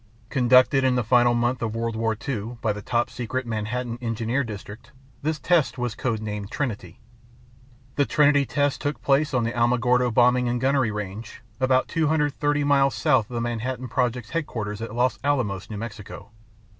Conducted in the final month of World War II by the top secret Manhattan Engineer District, this test was code named Trinity. The Trinity test took place on the Alamogordo Bombing and Gunnery Range, about 230 miles south of the Manhattan Project's headquarters at Los Alamos, New Mexico.